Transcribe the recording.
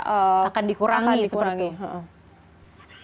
akan dikurangi seperti itu